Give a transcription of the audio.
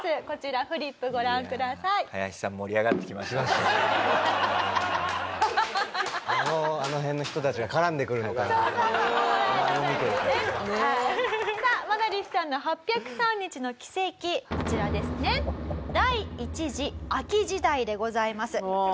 こちらですね。